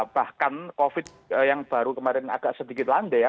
bahkan covid yang baru kemarin agak sedikit landai ya